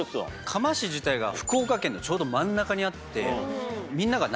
嘉麻市自体が福岡県のちょうど真ん中にあって。